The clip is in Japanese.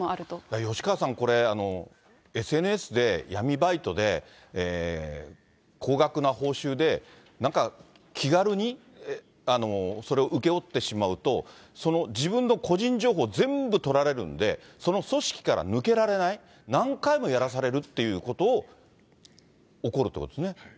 吉川さん、これ、ＳＮＳで闇バイトで、高額な報酬で、なんか気軽にそれを請け負ってしまうと、自分の個人情報全部取られるんで、その組織から抜けられない、何回もやらされるっていうことを起こるってことですね。